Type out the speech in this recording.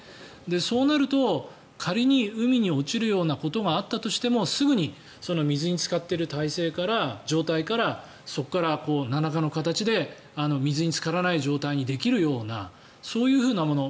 そうなると、仮に海に落ちるようなことがあったとしてもすぐに水につかっている状態からそこから、なんらかの形で水につからない状態にできるような、そういうもの。